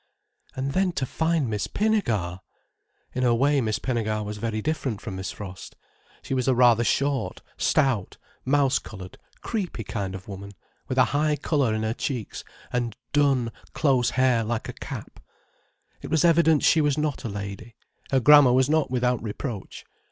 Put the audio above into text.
And then to find Miss Pinnegar! In her way, Miss Pinnegar was very different from Miss Frost. She was a rather short, stout, mouse coloured, creepy kind of woman with a high colour in her cheeks, and dun, close hair like a cap. It was evident she was not a lady: her grammar was not without reproach.